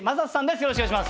よろしくお願いします。